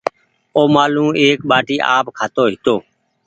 اومآلون ايڪ ٻآٽي آپ کآتو هيتو